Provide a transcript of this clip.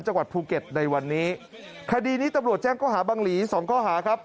จังหวัดภูเก็ตในวันนี้คดีนี้ตำรวจแจ้งข้อหาบังหลีสองข้อหาครับ